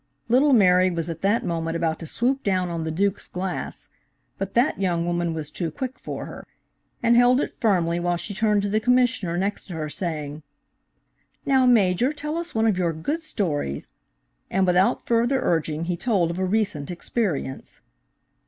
Little Mary was at that moment about to swoop down on the Duke's glass, but that young woman was too quick for her, and held it firmly while she turned to the Commissioner next to her, saying: "Now, Major, tell us one of your good stories," and without further urging he told of a recent experience.